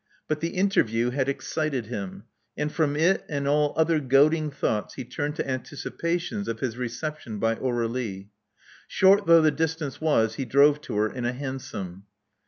But the interview had excited him ; and from it and all other goading thoughts he turned to anticipations of his reception by Aur^lie. Short though the distance was he drove to her in a hansom.